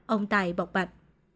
ông tài bọc bạc